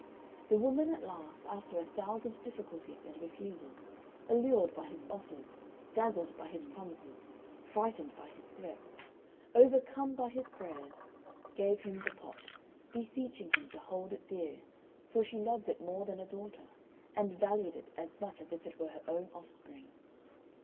The woman at last, after a thousand difficulties and refusals, allured by his offers, dazzled by his promises, frightened by his threats, overcome by his prayers, gave him the pot, beseeching him to hold it dear, for she loved it more than a daughter, and valued it as much as if it were her own offspring.